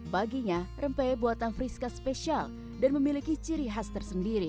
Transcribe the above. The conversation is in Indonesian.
baginya rempeye buatan friska spesial dan memiliki ciri khas tersendiri